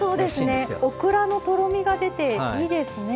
オクラのとろみが出ていいですね。